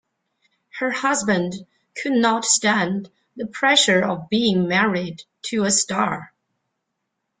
Her husband could not stand the pressure of being married to a star.